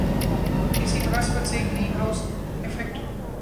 اسی مناسبت سے گرین ہاؤس ایفیکٹ